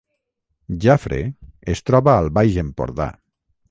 Jafre es troba al Baix Empordà